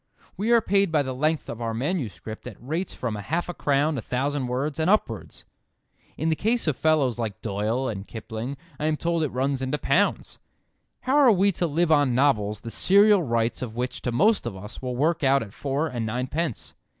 We are paid by the length of our manuscript at rates from half a crown a thousand words, and upwards. In the case of fellows like Doyle and Kipling I am told it runs into pounds. How are we to live on novels the serial rights of which to most of us will work out at four and nine pence.